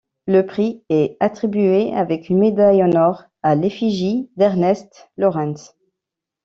Le prix est attribué avec une médaille en or à l'effigie d'Ernest Lawrence.